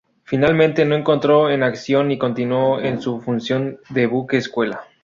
Finalmente no entró en acción y continuó en su función de buque escuela.